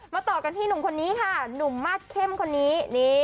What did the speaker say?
มาต่อกันที่หนุ่มมัดเข้มคนนี้